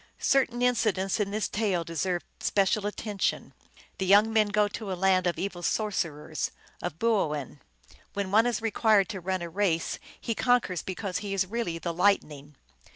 Certain incidents in this tale deserve special attention. The young men go to a land of evil sorcerers, of boo oin. When one is required to run a race he conquers because he is really the Lightning.